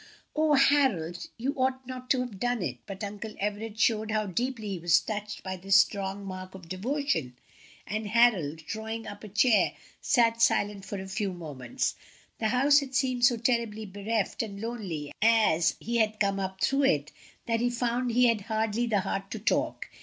"Oh, Harold, you ought not to have done it!" but Uncle Everett showed how deeply he was touched by this strong mark of devotion; and Harold, drawing up a chair, sat silent for a few moments. The house had seemed so terribly bereft and lonely as he had come up through it, that he found he had hardly the heart to talk.